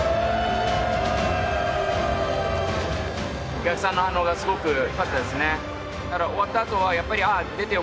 お客さんの反応がすごくよかったですね。